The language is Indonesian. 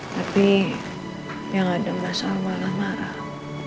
tapi yang ada masalah malah marah